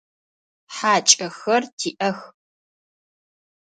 ХьакӀэхэр тиӀэх.